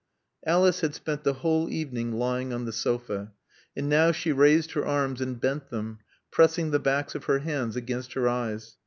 Alice had spent the whole evening lying on the sofa. And now she raised her arms and bent them, pressing the backs of her hands against her eyes.